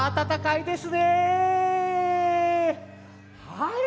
はい。